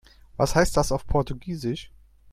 Was heißt das auf Portugiesisch?